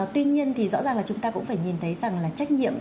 tuy nhiên thì rõ ràng là chúng ta cũng phải nhìn thấy rằng là trách nhiệm